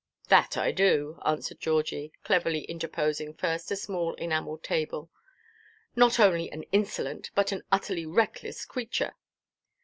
"That I do," answered Georgie, cleverly interposing first a small enamelled table; "not only an insolent, but an utterly reckless creature."